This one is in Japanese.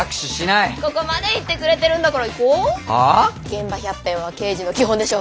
現場百遍は刑事の基本でしょ。